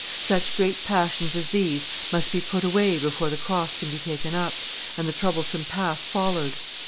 Such great passions as these must be put away before the cross can be taken up, and the troublesome path followed.